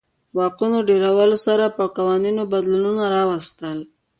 واکونو ډېرولو سره په قوانینو کې بدلونونه راوستل.